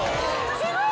すごい！